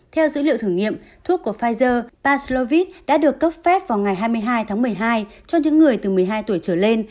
theo dữ liệu thử nghiệm thuốc của pfizer paslovid đã được cấp phép vào ngày hai mươi hai tháng một mươi hai cho những người từ một mươi hai tuổi trở lên